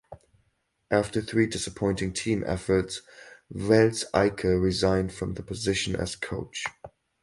After three disappointing team efforts Wels Eicke resigned from the position as coach.